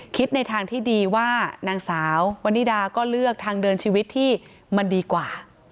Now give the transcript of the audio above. ในทางที่ดีว่านางสาววันนิดาก็เลือกทางเดินชีวิตที่มันดีกว่า